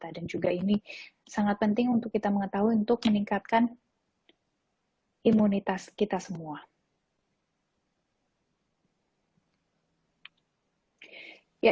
dan juga ini sangat penting untuk kita mengetahui untuk meningkatkan imunitas kita semua